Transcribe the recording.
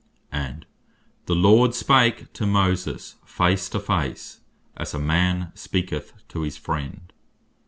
And (Exod. 33. 11.) "The Lord spake to Moses face to face, as a man speaketh to his friend."